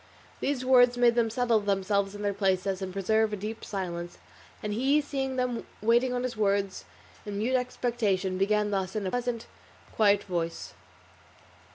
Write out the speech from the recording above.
These words made them settle themselves in their places and preserve a deep silence, and he seeing them waiting on his words in mute expectation, began thus in a pleasant quiet voice.